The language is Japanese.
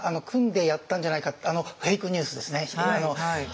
あのフェイクニュースですね。